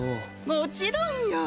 もちろんよ！